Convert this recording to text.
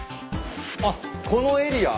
あっこのエリア？